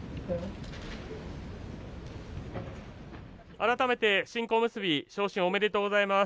改めて、新小結昇進おめでとうございます。